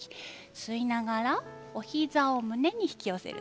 吸いながらお膝を胸に引き寄せます。